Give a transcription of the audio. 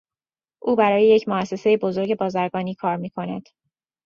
او برای یک موسسهی بزرگ بازرگانی کار میکند.